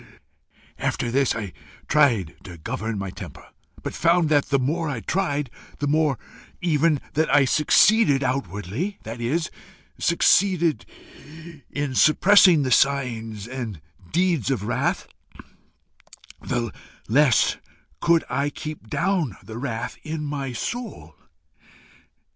After this I tried to govern my temper, but found that the more I tried, the more even that I succeeded outwardly, that is, succeeded in suppressing the signs and deeds of wrath, the less could I keep down the wrath in my soul.